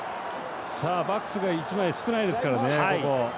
バックスが１枚少ないですからね。